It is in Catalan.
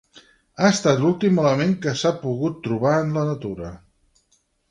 Ha estat l'últim element que s'ha pogut trobar en la natura.